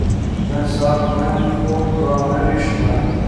نن سهار دويمه خور را نوې شوه.